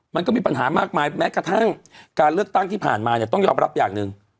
มันก็มีปัญหามากมายแม้กระทั่งการเลือกตั้งที่ผ่านมาเนี่ยต้องยอมรับอย่างหนึ่ง